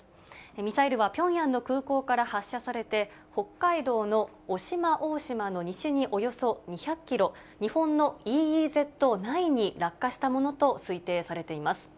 ミサイルはピョンヤンの空港から発射されて、北海道の渡島大島の西におよそ２００キロ、日本のＥＥＺ内に落下したものと推定されています。